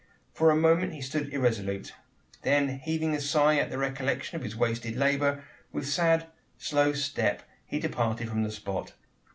For a moment he stood irresolute. Then heaving a sigh at the recollection of his wasted labour, with sad, slow step he departed from the spot.